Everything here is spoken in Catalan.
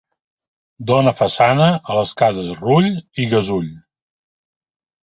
Dóna façana a les cases Rull i Gasull.